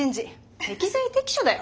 適材適所だよ。